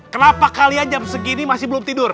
kenapa kalian jam segini masih belum tidur